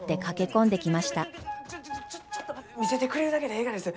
見せてくれるだけでえいがです。